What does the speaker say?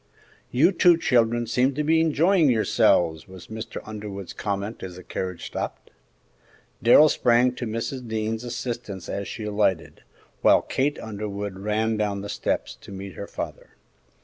"You two children seem to be enjoying yourselves!" was Mr. Underwood's comment as the carriage stopped. Darrell sprang to Mrs. Dean's assistance as she alighted, while Kate Underwood ran down the steps to meet her father.